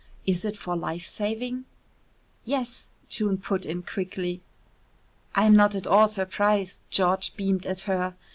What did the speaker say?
"Is it for life saving?" "Yes," June put in quickly. "I'm not at all surprised." George beamed at her.